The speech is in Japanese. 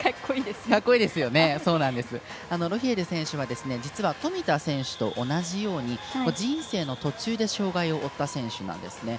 ロヒエル選手は実は富田選手と同じように人生の途中で障がいを負った選手なんですね。